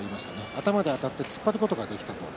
頭であたって取ることができた。